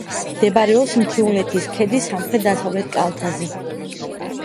მდებარეობს მთიულეთის ქედის სამხრეთ-დასავლეთ კალთაზე.